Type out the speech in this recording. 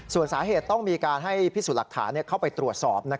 ส่วนสาเหตุต้องมีการให้พิสูจน์หลักฐานเข้าไปตรวจสอบ